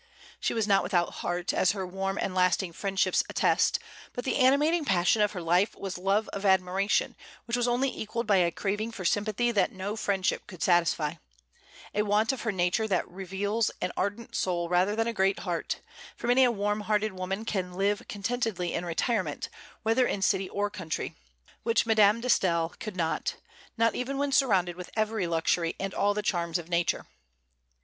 She was not without heart, as her warm and lasting friendships attest; but the animating passion of her life was love of admiration, which was only equalled by a craving for sympathy that no friendship could satisfy, a want of her nature that reveals an ardent soul rather than a great heart; for many a warm hearted woman can live contentedly in retirement, whether in city or country, which Madame de Staël could not, not even when surrounded with every luxury and all the charms of nature.